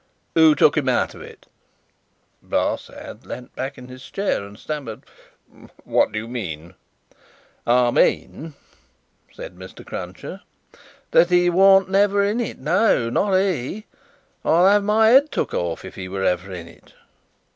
"Who took him out of it?" Barsad leaned back in his chair, and stammered, "What do you mean?" "I mean," said Mr. Cruncher, "that he warn't never in it. No! Not he! I'll have my head took off, if he was ever in it."